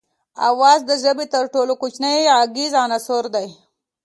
آواز د ژبې تر ټولو کوچنی غږیز عنصر دی